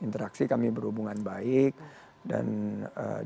interaksi kami berhubungan baik dan diberikan